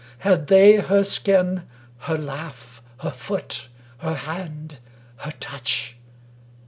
Had they her skin, her laugh, her foot, her hand, her touch